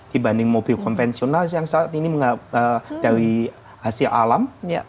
dibanding mobil konvensional yang saat ini dari hasil alam